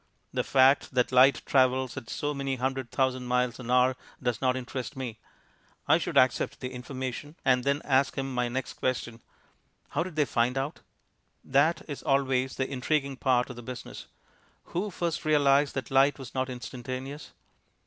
The fact that light travels at so many hundred thousand miles an hour does not interest me; I should accept the information and then ask him my next question, "How did they find out?" That is always the intriguing part of the business. Who first realized that light was not instantaneous?